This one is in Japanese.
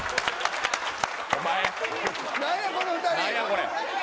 何やこの２人。